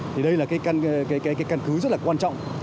thì đây là căn cứ rất là quan trọng